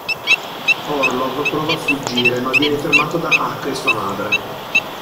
Orlov prova a fuggire ma viene fermato da Huck e sua madre.